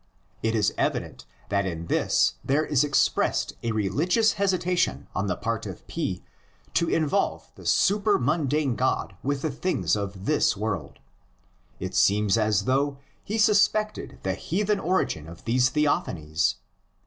It is evident that in this there is expressed a religious hesitation on the part of P to involve the supermundane God with the things of this world; it seems as though he suspected the heathen origin of these theophanies.